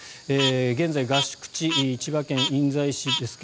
現在、合宿地千葉県印西市ですが